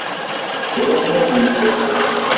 Kečč ṛuḥ ma d nekk fiḥel.